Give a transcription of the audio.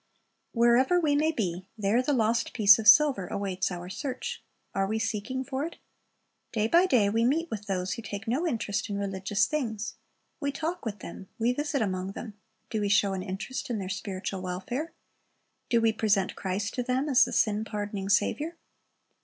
Wherever we may be, there the lost piece of silver awaits our search. Are we seeking for it? Day by day we meet with those who take no interest in religious things; we talk with them, we visit among them; do we show an interest in their spiritual welfare? Do we present Christ to them as the sin pardoning Saviour?